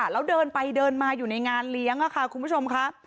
แล้วเดินไปเดินมาอยู่ในงานเลี้ยงค่ะคุณผู้ชมค่ะ